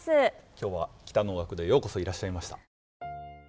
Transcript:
今日は喜多能楽堂へようこそいらっしゃいました。